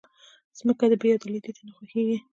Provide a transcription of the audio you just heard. مځکه بېعدالتۍ ته نه خوښېږي.